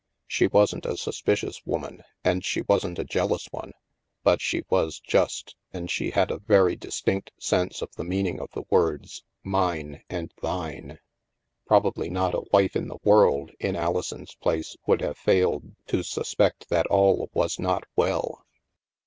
She wasn't a suspicious woman, and she wasn't a jealous one. But she was just, and she had a very distinct sense of the meaning of the words " mine " and " thine." Probably not a wife in the world, in Alison's place, would have failed to suspect that all was not well.